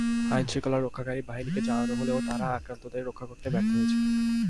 আইনশৃঙ্খলা রক্ষাকারী বাহিনীকে জানানো হলেও তারা আক্রান্তদের রক্ষা করতে ব্যর্থ হয়েছে।